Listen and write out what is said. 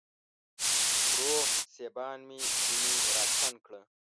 روغ سېبان مې ځيني راچڼ کړه